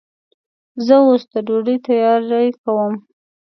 زه اوس د ډوډۍ تیاری کوم.